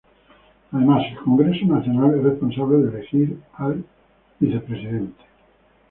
Además, el Congreso Nacional es responsable de elegir al y al Vicepresidente.